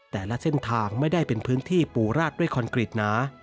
แต่ละเส้นทางไม่ได้เป็นพื้นที่ปูราดด้วยคอนกรีตหนา